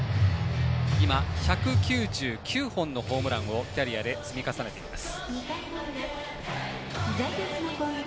今、１９９本のホームランをキャリアで積み重ねています。